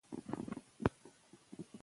تاسو هم بریالی کیدلی شئ.